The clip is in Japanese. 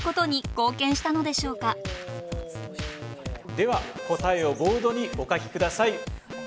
では答えをボードにお書きください。